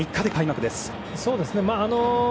あと３日で開幕です。